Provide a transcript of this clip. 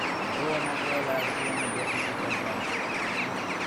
Though a natural at the piano, Basie preferred drums.